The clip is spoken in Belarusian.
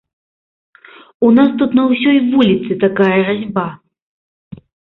У нас тут на ўсёй вуліцы такая разьба!